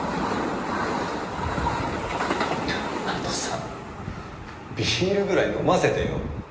あとさビールぐらい飲ませてよ。